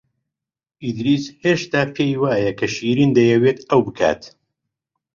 ئیدریس هێشتا پێی وایە کە شیرین دەیەوێت ئەوە بکات.